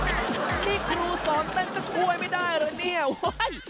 นี่ครูสอนเต้นก็ช่วยไม่ได้เหรอเนี่ยเฮ้ย